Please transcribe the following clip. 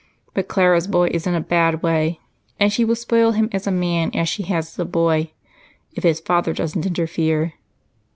But Clara's boy is in a bad way, and she will spoil him as a man as she has as a boy if his father doesn't interfere."